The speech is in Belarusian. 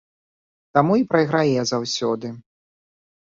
Таму і прайграе заўсёды.